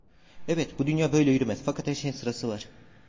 Evet, bu dünya böyle yürümez, fakat her şeyin sırası var…